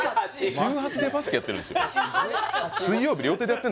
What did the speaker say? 週８でバスケやってるんですよ